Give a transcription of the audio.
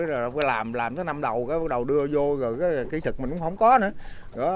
rồi làm làm tới năm đầu bắt đầu đưa vô rồi kỹ thực mình cũng không có nữa